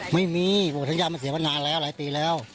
ไม่มีสัญญาณมันเสียมาหลายปีแล้ว